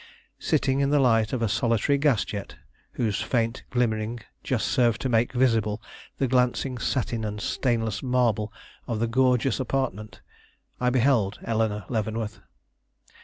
Sitting in the light of a solitary gas jet, whose faint glimmering just served to make visible the glancing satin and stainless marble of the gorgeous apartment, I beheld Eleanore Leavenworth.